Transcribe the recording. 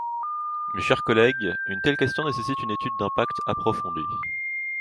Mes chers collègues, une telle question nécessite une étude d’impact approfondie.